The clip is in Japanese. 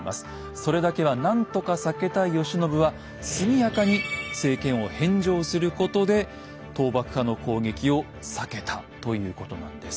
それだけは何とか避けたい慶喜は速やかに政権を返上することで倒幕派の攻撃を避けたということなんです。